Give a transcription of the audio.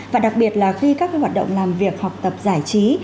và đặc biệt là khi các hoạt động làm việc học tập giải trí